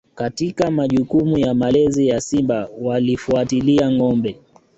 Katika majukumu ya malezi ya Simba walifuatilia ngombe